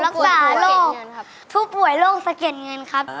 ศูนย์รักษาโรคผู้ป่วยโรคสะเกียจเงินครับ